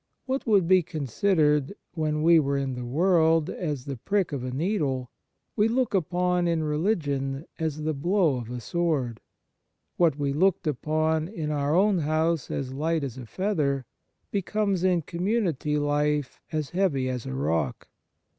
What would be considered, when we were in the world, as the prick of a needle, we look upon in religion as the blow of a sword. What we looked upon in our own house as light as a feather, becomes in community life as heavy as a rock.